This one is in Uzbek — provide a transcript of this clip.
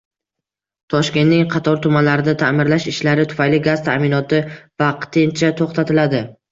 Toshkentning qator tumanlarida ta’mirlash ishlari tufayli gaz ta’minoti vaqtincha to‘xtatiladi